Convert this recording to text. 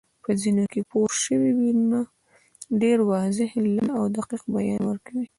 په ځینو کې پورشوي ویونه ډېر واضح، لنډ او دقیق بیان ورکوي